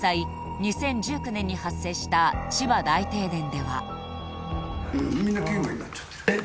２０１９年に発生した千葉大停電ではえっ